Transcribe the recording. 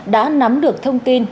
đã nắm được thông tin